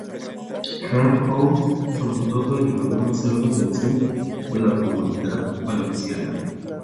Hard House, sobre todo en algunas salas del sur de la Comunidad Valenciana.